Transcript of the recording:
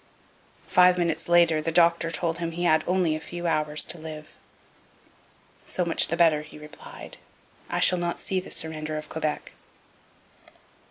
Five minutes later the doctor told him he had only a few hours to live. 'So much the better,' he replied; 'I shall not see the surrender of Quebec.'